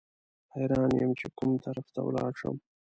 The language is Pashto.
حیران یم چې کوم طرف ته ولاړ شم.